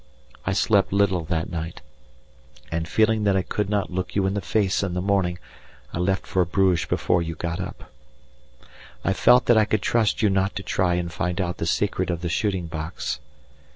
I slept little that night and, feeling that I could not look you in the face in the morning, I left for Bruges before you got up. I felt that I could trust you not to try and find out the secret of the shooting box.